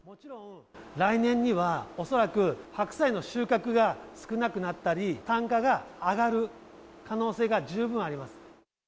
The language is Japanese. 来年には恐らく、白菜の収穫が少なくなったり、単価が上がる可能性が十分あります。